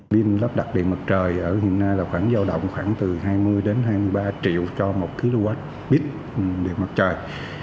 bên lắp đặt điện mặt trời ở hiện nay là khoảng giao động khoảng từ hai mươi đến hai mươi ba triệu cho một kwh điện mặt trời